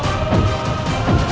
aku akan menang